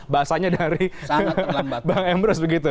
bahasanya dari bang emrus